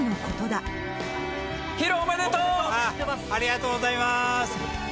ヒロ、ありがとうございます。